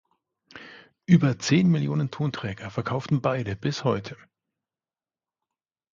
Über zehn Millionen Tonträger verkauften beide bis heute.